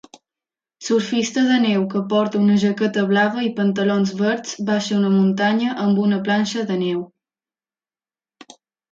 Surfista de neu que porta una jaqueta blava i pantalons verds baixa una muntanya amb una planxa de neu.